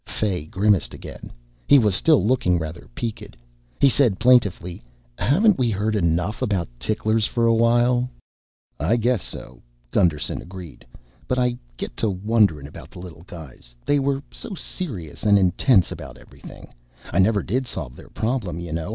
Fay grimaced again. He was still looking rather peaked. He said plaintively, "Haven't we heard enough about ticklers for a while?" "I guess so," Gusterson agreed, "but I get to wondering about the little guys. They were so serious and intense about everything. I never did solve their problem, you know.